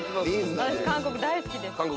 私韓国大好きです。